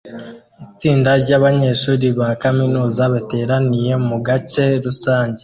Itsinda ryabanyeshuri ba kaminuza bateranira mugace rusange